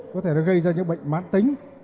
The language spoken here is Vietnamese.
có thể nó gây ra những bệnh mát tính